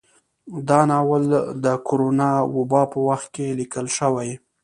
دا ناول د کرونا وبا په وخت کې ليکل شوى